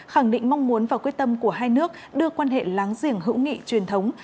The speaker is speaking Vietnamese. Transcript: khẳng định mong muốn và quyết tâm của hai nước đưa quan hệ láng giềng hữu nghị truyền thống